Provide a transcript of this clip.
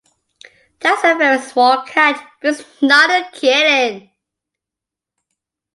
That's a very small cat, but it's not a kitten.